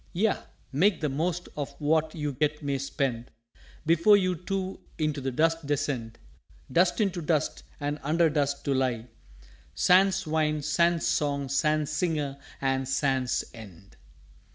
"_Yea, make the most of what you yet may spend, Before we too into the Dust descend; Dust into Dust, and under Dust, to lie, Sans Wine, sans Song, sans Singer, and sans End!